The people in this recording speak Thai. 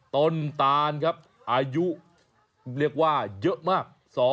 ตานครับอายุเรียกว่าเยอะมาก